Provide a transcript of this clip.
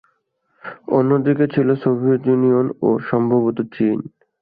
অন্যদিকে ছিল Soviet Union ও সম্ভবতঃ চীন।